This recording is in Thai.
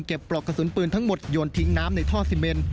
ปลอกกระสุนปืนทั้งหมดโยนทิ้งน้ำในท่อซีเมน